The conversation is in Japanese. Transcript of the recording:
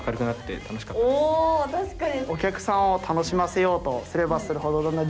おお確かに。